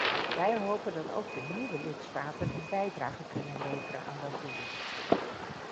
Wij hopen dat ook de nieuwe lidstaten een bijdrage kunnen leveren aan dat doel.